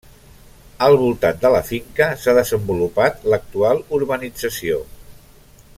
Al voltant de la finca s'ha desenvolupat l'actual urbanització.